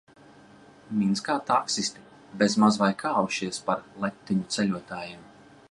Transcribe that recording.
Minskā taksisti bez maz vai kāvušies par letiņu ceļotājiem.